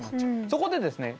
そこでですね